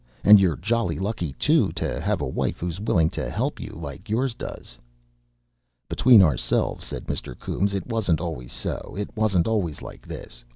And you're jolly lucky, too, to have a wife who's willing to help like yours does." "Between ourselves," said Mr. Coombes, "it wasn't always so. It wasn't always like this.